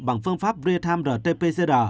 bằng phương pháp rear time rt pcr